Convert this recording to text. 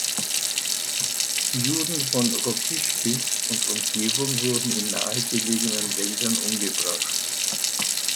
Juden von Rokiškis und Umgebung wurden in nahe gelegenen Wäldern umgebracht.